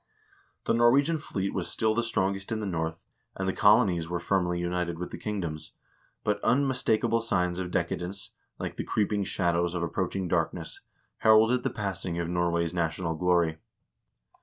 The Norwegian fleet was still the strongest in the North, and the colonies were firmly united with the kingdom. But unmis takable signs of decadence, like the creeping shadows of approach ing darkness, heralded the passing of Norway's national glory.